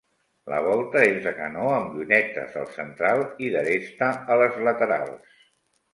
La volta és de canó amb llunetes al central i d'aresta a les laterals.